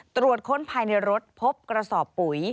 ตรวจค้นภายในรถพบกระสอบปุ๋ย